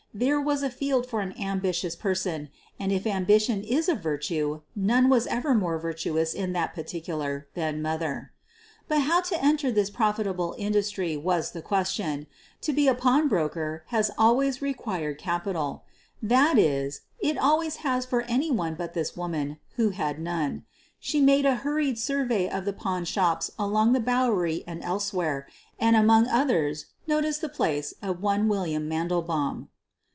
There was a field for an ambitious person, and if ambition is a virtue none was ever more virtuous in that par ticular than '' Mother.' ' But how to enter this profitable industry was the question. To be a pawn broker has always re quired capital. That is, it always has for anyone but this woman, who had none. She made a hurried survey of the pawn shops along the Bowery and elsewhere, and among others noticed the place of one William Mandelbaum.